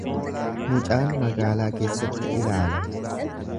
Mucaan magaalaa keessatti ilaala.